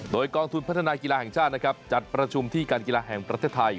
โดยกองทุนพัฒนากีฬาแห่งชาตินะครับจัดประชุมที่การกีฬาแห่งประเทศไทย